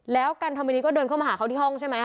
แล้วกันธรรมนีก็เดินเข้ามาหาเขาที่ห้องใช่ไหมฮ